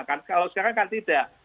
kalau sekarang kan tidak